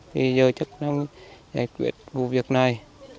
thì giờ chắc chắn giải quyết vụ việc này